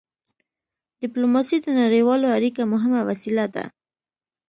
ډيپلوماسي د نړیوالو اړیکو مهمه وسيله ده.